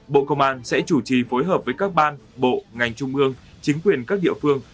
bộ công an sẽ chủ trì phối hợp với các ban bộ ngành trung ương chính quyền các địa phương